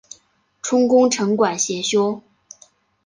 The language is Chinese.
充功臣馆协修。